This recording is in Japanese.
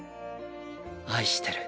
愛してる。